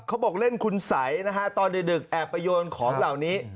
เขาบอกเล่นคุณสัยนะฮะตอนดึกแอบไปโยนของเหล่านี้